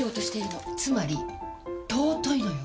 つまり尊いのよ！